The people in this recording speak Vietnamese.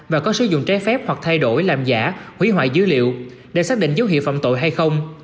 và có sử dụng trái phép hoặc thay đổi làm giả hủy hoại dữ liệu để xác định dấu hiệu phạm tội hay không